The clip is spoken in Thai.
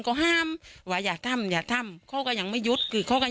โปรวาลท์คนครูเป็นแม็ห์